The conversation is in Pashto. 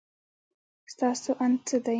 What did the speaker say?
ستاسو اند څه دی؟